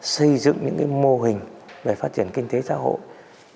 xây dựng những mô hình về phát triển kinh tế xã hội